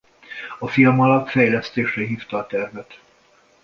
A Filmalap fejlesztésre hívta a tervet.